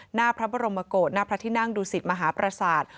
หน้าพระบรมโมโกตหน้าพระทินั่งดูสิทธิ์มหาประสาท